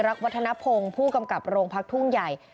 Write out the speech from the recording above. วัฒนภงผู้กำกับโรงพักทุ่งใหญ่